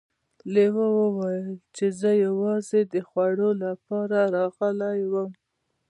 لیوه وویل چې زه یوازې د خوړو لپاره راغلی وم.